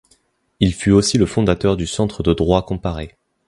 Il fut aussi le fondateur du Centre de droit comparé.